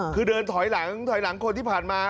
คือเดินถอยหลังถอยหลังคนที่ผ่านมา